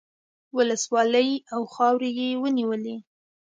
ولسوالۍ او خاورې یې ونیولې.